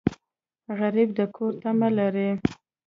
غریب د کور تمه لري